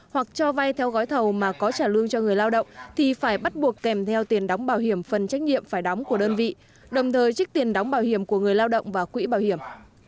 hoặc cho vay theo gói thầu mà có trả lương cho người lao động thì phải bắt buộc kèm theo tiền đóng bảo hiểm phần trách nhiệm phải đóng của đơn vị đồng thời trích tiền đóng bảo hiểm của người lao động vào quỹ bảo hiểm